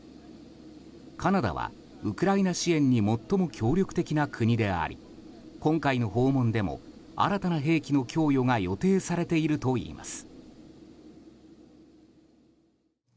カナダはウクライナ支援に最も協力的な国であり今回の訪問でも新たな兵器の供与が予定されているといいます。